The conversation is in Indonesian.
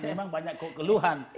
memang banyak kekeluhan